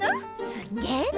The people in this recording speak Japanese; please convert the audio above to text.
すんげえな！